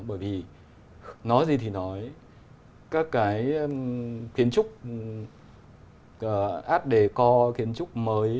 bởi vì nói gì thì nói các cái kiến trúc áp đề co kiến trúc mới